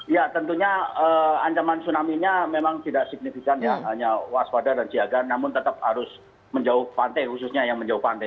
ya tentunya ancaman tsunami nya memang tidak signifikan ya hanya waspada dan siaga namun tetap harus menjauh pantai khususnya yang menjauh pantai